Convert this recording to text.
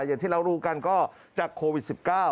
อย่างที่เรารู้กันก็จากโควิด๑๙